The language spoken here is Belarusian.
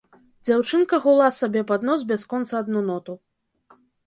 Дзяўчынка гула сабе пад нос бясконца адну ноту.